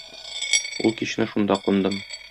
Ул кичне шунда кундым.